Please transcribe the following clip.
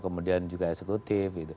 kemudian juga eksekutif